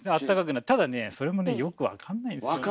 ただねそれもねよく分かんないんですよね。